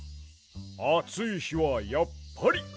あついひはやっぱりこれ！